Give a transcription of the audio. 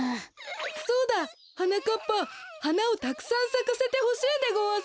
そうだはなかっぱはなをたくさんさかせてほしいでごわす。